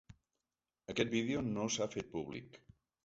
Aquest vídeo no s’ha fet públic.